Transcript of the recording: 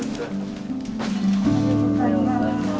おはようございます。